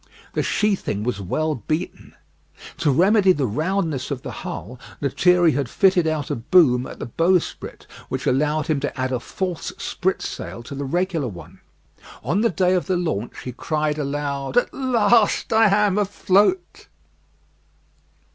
The sheathing was well beaten. To remedy the roundness of the hull, Lethierry had fitted out a boom at the bowsprit, which allowed him to add a false spritsail to the regular one. On the day of the launch, he cried aloud, "At last I am afloat!"